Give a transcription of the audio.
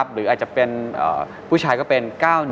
หรืออาจจะเป็นผู้ชายก็เป็น๙๑